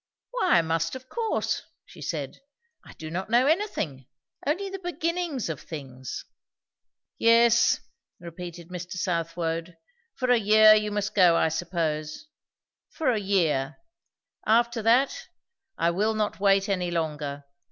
"Why I must of course!" she said. "I do not know anything; only the beginnings of things." "Yes," repeated Mr. Southwode, "for a year you must go, I suppose. For a year. After that, I will not wait any longer.